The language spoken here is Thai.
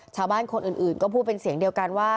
ชาวบ้านคนอื่นก็พูดเป็นเสียงเดียวกันว่า